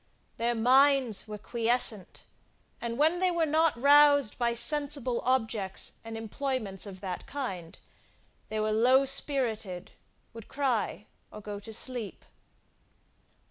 Their minds were quiescent, and when they were not roused by sensible objects and employments of that kind, they were low spirited, would cry, or go to sleep.